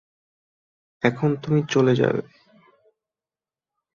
এখন তুমি চলে যাবে।